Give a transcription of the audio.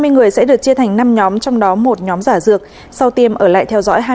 một trăm năm mươi người sẽ được chia thành năm nhóm trong đó một nhóm giả dược sau tiêm ở lại theo dõi hai mươi bốn giờ